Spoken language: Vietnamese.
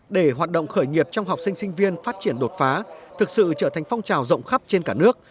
để hoạt động khởi nghiệp trong học sinh sinh viên phát triển đột phá thực sự trở thành phong trào rộng khắp trên cả nước